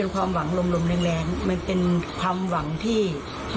ครับ